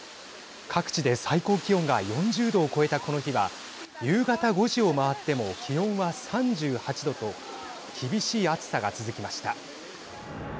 各地で最高気温が４０度を超えたこの日は、夕方５時を回っても気温は３８度と厳しい暑さが続きました。